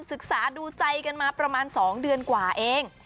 ศึกษาดูใจกันมาประมาณ๒เดือนกว่าเอง